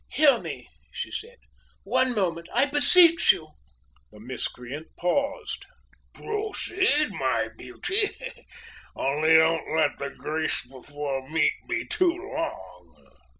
"Hear me," she said, "one moment, I beseech you!" The miscreant paused. "Proceed, my beauty! Only don't let the grace before meat be too long."